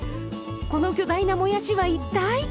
この巨大なもやしは一体？